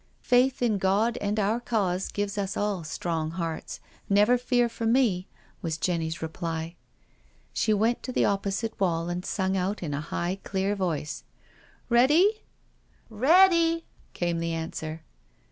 " Faith in God and our Cause gives us all strong, hearts — never fear for me," was Jenny's reply. She went to the opposite wall and sung out in a high, clear voice: "Ready?'* " Ready," came the answer.